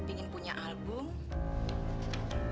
ingin punya album